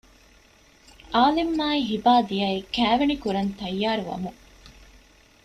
އާލިމްއާއި ހިބާ ދިޔައީ ކައިވެނި ކުރަން ތައްޔާރު ވަމުން